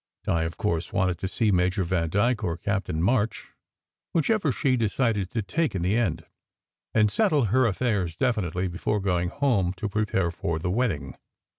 Di, of course, wanted to see Major Vandyke or Captain March whichever she decided to take in the end and settle her affairs definitely before going home to prepare for the wedding.